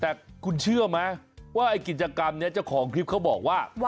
แต่คุณเชื่อไหมว่าไอ้กิจกรรมนี้เจ้าของคลิปเขาบอกว่า